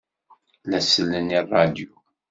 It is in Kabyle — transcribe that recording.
La sellen i ṛṛadyu.